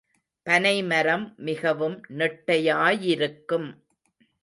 பனை மரம் மிகவும் நெட்டையா யிருக்கும்.